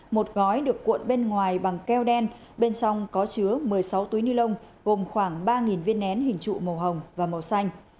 một gói được cuộn bên ngoài bằng keo đen bên trong có chứa một mươi sáu túi ni lông gồm khoảng ba viên nén hình trụ màu hồng và màu xanh